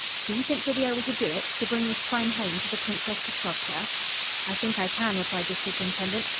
"Do you think you'll be able to do it to bring this crime home to the Princess Petrovska?" "I think I can," replied the superintendent.